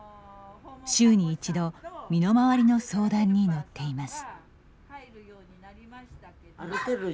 週に一度、身の回りの相談に乗っています。